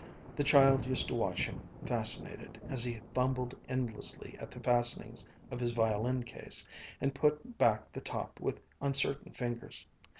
The child used to watch him, fascinated, as he fumbled endlessly at the fastenings of his violin case, and put back the top with uncertain fingers.